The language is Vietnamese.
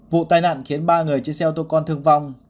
vụ tai nạn khiến ba người trên xe ô tô con thương vong